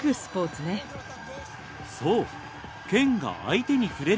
そう！